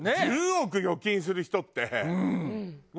１０億預金する人って。